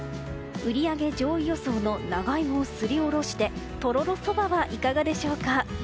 売り上げ上位予想の長芋をすりおろしてとろろそばはいかがでしょうか。